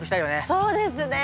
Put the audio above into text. そうですね。